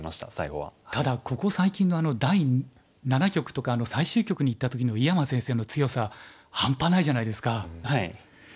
ただここ最近の第七局とか最終局にいった時の井山先生の強さ半端ないじゃないですか。